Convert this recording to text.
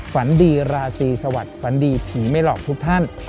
ฝันดีราตรีสวัสดิฝันดีผีไม่หลอกทุกท่าน